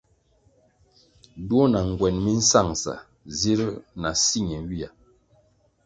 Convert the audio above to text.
Duo na ngwen mi nsangʼsa zirū na si ñenywia.